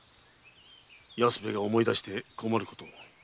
安兵衛が思い出して困ること。